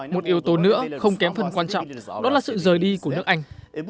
một yếu tố nữa không kém phần quan trọng đó là sự rời đi của nước anh